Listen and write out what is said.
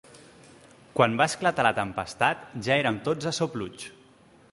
Quan va esclatar la tempestat, ja érem tots a sopluig.